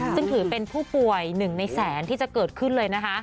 ซึ่งถือเป็นผู้ป่วย๑ในแสนที่จะเกิดขึ้นเลยนะคะ